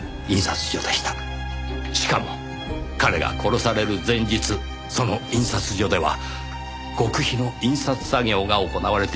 しかも彼が殺される前日その印刷所では極秘の印刷作業が行われていました。